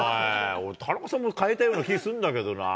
俺、田中さんも変えたような気するんだけどな。